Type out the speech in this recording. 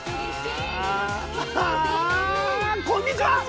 こんにちは。